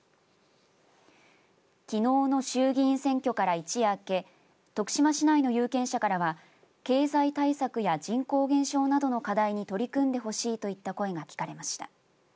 きのうの衆議院選挙から一夜明け徳島市内の有権者からは経済対策や人口減少などの課題に取り組んでほしいといった声が聞かれました。